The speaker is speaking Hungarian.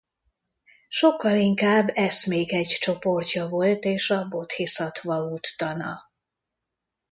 Sokkal inkább eszmék egy csoportja volt és a bodhiszattva út tana.